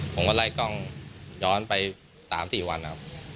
ผมก็ไล่กล้องย้อนไป๓๔วันนะครับ